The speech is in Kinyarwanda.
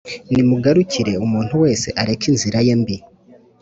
Nimugaruke umuntu wese areke inzira ye mbi